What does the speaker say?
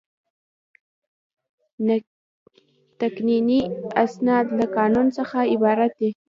تقنیني اسناد له قانون څخه عبارت دي.